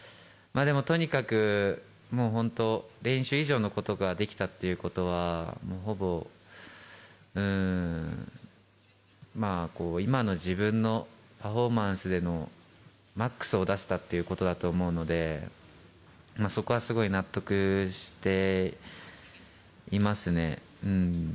でもとにかく、本当、練習以上のことができたっていうことは、ほぼ、今の自分のパフォーマンスでのマックスを出せたっていうことだと思うので、そこはすごい納得していますね。